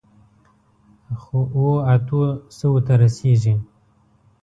خو، اوو، اتو سووو ته رسېږي.